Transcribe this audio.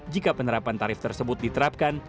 jika penerapan tarif tersebut diterapkan